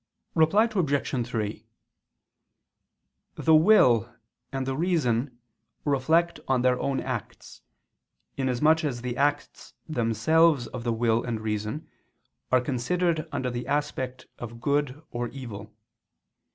Reply Obj. 3: The will and the reason reflect on their own acts, inasmuch as the acts themselves of the will and reason are considered under the aspect of good or evil.